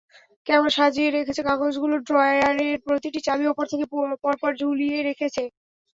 কেমন সাজিয়ে রেখেছে কাগজগুলো, ড্রয়ারের প্রতিটি চাবি ওপর থেকে পরপর ঝুলিয়ে রেখেছে।